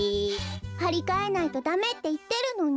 はりかえないとダメっていってるのに！